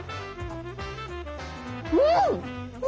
うん！